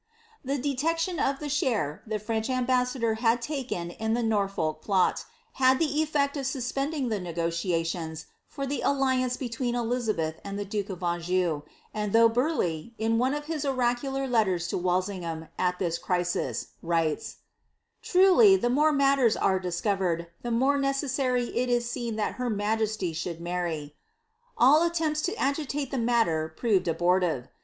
The detection of the share the French ambassador had taken in the Norfolk plot, had the effect of suspending the negotiations for the alli ance between Elizabeth and the duke of Anjou ; and though Burleigh, in one of his oracular letters to Walsingham, at this crisis, writes :—^ Truly, the more matters are discovered, the more necessary it is seen that her majesty should marry" — all attempts to agitate the matter proved abortive.